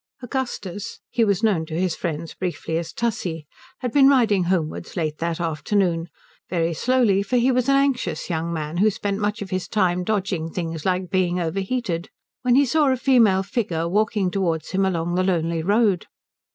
Augustus he was known to his friends briefly as Tussie had been riding homewards late that afternoon, very slowly, for he was an anxious young man who spent much of his time dodging things like being overheated, when he saw a female figure walking towards him along the lonely road.